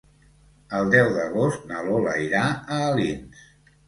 El deu d'agost na Lola irà a Alins.